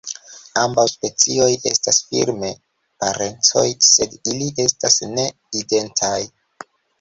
Ambaŭ specioj estas firme parencoj, sed ili estas ne identaj.